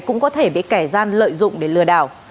cũng có thể bị kẻ gian lợi dụng để lừa đảo